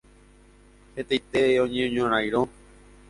Hetaite oñeñorãirõ.